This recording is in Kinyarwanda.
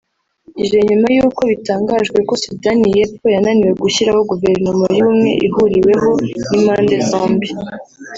ije nyuma y’uko bitangajwe ko Sudani y’Epfo yananiwe gushyiraho Guverinoma y’Ubumwe ihuriweho n’impande zombi